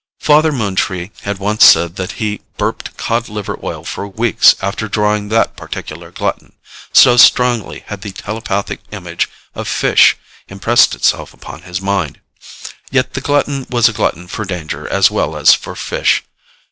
Father Moontree had once said that he burped cod liver oil for weeks after drawing that particular glutton, so strongly had the telepathic image of fish impressed itself upon his mind. Yet the glutton was a glutton for danger as well as for fish.